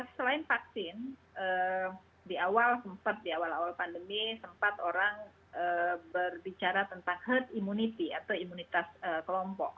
selain vaksin di awal sempat di awal awal pandemi sempat orang berbicara tentang herd immunity atau imunitas kelompok